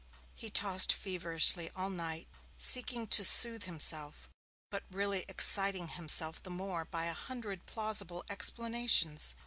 He tossed feverishly all night, seeking to soothe himself, but really exciting himself the more by a hundred plausible explanations.